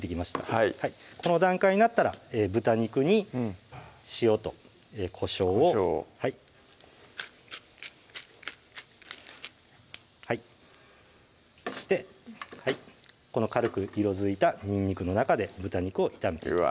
はいこの段階になったら豚肉に塩とこしょうをそしてこの軽く色づいたにんにくの中で豚肉を炒めていきます